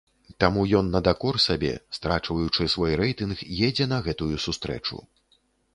Таму ён на дакор сабе, страчваючы свой рэйтынг, едзе на гэтую сустрэчу.